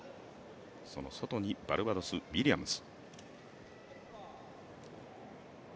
その外にバルバドス、ウィリアムズ。